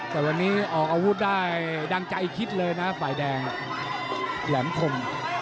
แต่วันนี้ออกอาวุธได้ดังใจคิดเลยนะฝ่ายแดงแหลมคม